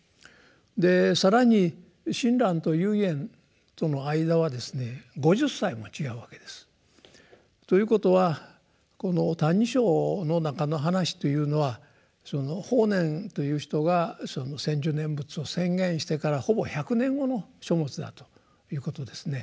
で更に親鸞と唯円との間はですね５０歳も違うわけです。ということはこの「歎異抄」の中の話というのはその法然という人が「専修念仏」を宣言してからほぼ１００年後の書物だということですね。